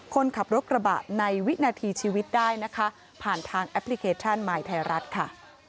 คนขับรถกระบะในวินาทีชีวิตได้นะคะผ่านทางแอปพลิเคชันมายไทยรัฐค่ะ